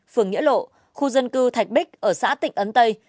phường nghĩa lộ khu dân cư thạch bích ở xã tịnh ấn tây